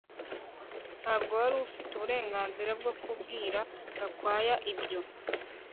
Ntabwo wari ufite uburenganzira bwo kubwira Gakwaya ibyo